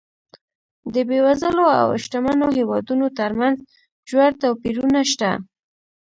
د بېوزلو او شتمنو هېوادونو ترمنځ ژور توپیرونه شته.